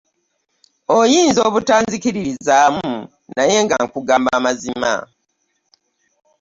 Oyinza n'obutanzikiririzaamu naye nga nkugamba mazima.